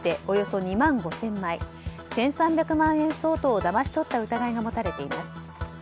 およそ２万５０００枚１３００万円相当をだまし取った疑いが持たれています。